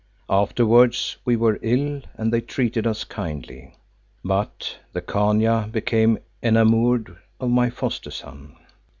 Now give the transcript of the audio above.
Afterwards we were ill, and they treated us kindly, but the Khania became enamoured of my foster son."